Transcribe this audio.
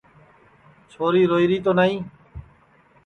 چھوری روئیری تو نائی